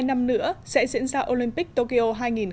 hai năm nữa sẽ diễn ra olympic tokyo hai nghìn hai mươi